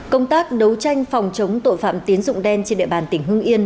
công tác đấu tranh phòng chống tội phạm tín dụng đen trên địa bàn tỉnh hưng yên